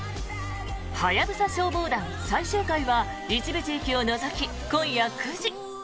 「ハヤブサ消防団」最終回は一部地域を除き今夜９時！